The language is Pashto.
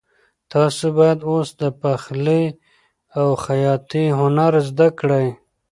تاسو باید اوس د پخلي او خیاطۍ هنر زده کړئ.